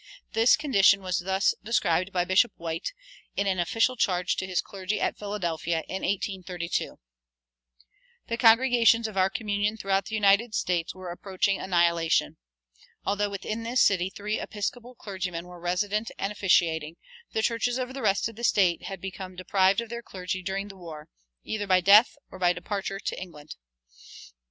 This condition was thus described by Bishop White, in an official charge to his clergy at Philadelphia in 1832: "The congregations of our communion throughout the United States were approaching annihilation. Although within this city three Episcopal clergymen were resident and officiating, the churches over the rest of the State had become deprived of their clergy during the war, either by death or by departure for England.